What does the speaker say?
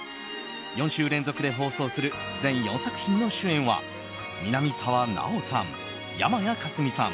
４週連続で放送する全４作品の主演は南沢奈央さん、山谷花純さん